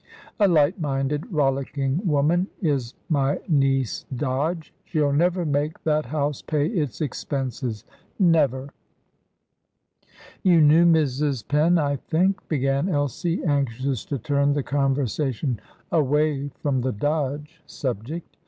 "A light minded, rollicking woman is my niece Dodge. She'll never make that house pay its expenses never!" "You knew Mrs. Penn, I think?" began Elsie, anxious to turn the conversation away from the Dodge subject.